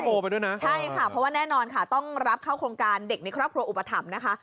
ใช่ค่ะเพราะว่าแน่นอนค่ะต้องรับเข้าโครงการเด็กในครับครัวอุปถัง